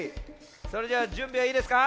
それじゃあじゅんびはいいですか？